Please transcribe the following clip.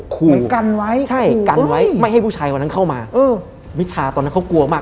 คูใช่กันไว้ไม่ให้ผู้ชายวันนั้นเข้ามามิชชาตอนนั้นเขากลัวมาก